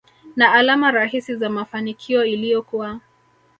na alama rahisi za mafanikio iliyokuwa